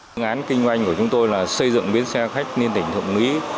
thương án kinh doanh của chúng tôi là xây dựng bến xe khách liên tỉnh thượng lý